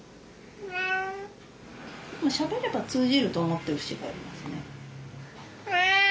しゃべれば通じると思ってる節がありますね。